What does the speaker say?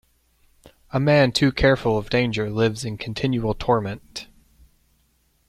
A man too careful of danger lives in continual torment.